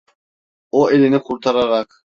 O elini kurtararak: